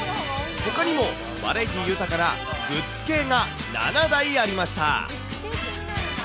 ほかにもバラエティー豊かなグッズ系が７台ありました。